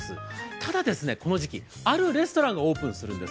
ただ、この時期、あるレストランがオープンするんです。